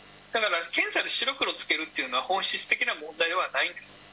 だから、検査で白黒つけるっていうのは、本質的な問題ではないんです。